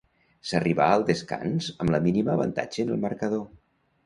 S'arribà al descans amb la mínima avantatge en el marcador.